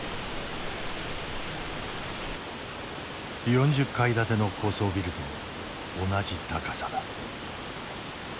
４０階建ての高層ビルと同じ高さだ。